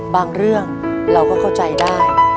บางเรื่องเราก็เข้าใจได้